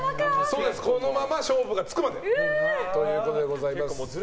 このまま勝負がつくまでということでございます。